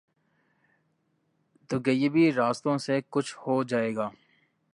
تو غیبی راستوں سے کچھ ہو جائے گا۔